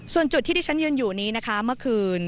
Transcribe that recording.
ส่วนจุดที่ที่ฉันยืนอยู่นี้นะคะเมื่อคืน